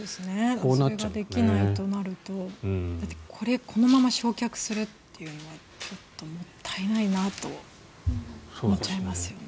それができないとなるとこのまま焼却するっていうのはちょっともったいないなと思っちゃいますよね。